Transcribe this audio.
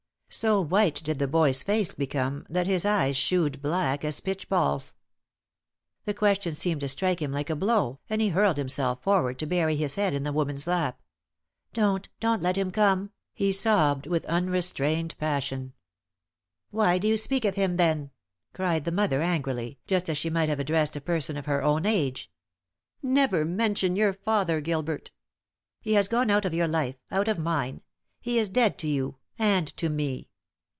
So white did the boy's face become that his eyes shewed black as pitch balls. The question seemed to strike him like a blow, and he hurled himself forward to bury his head in the woman's lap. "Don't don't let him come!" he sobbed, with unrestrained passion. "Why do you speak of him, then?" cried the mother, angrily, just as she might have addressed a person of her own age. "Never mention your father, Gilbert. He has gone out of your life out of mine. He is dead to you and to me."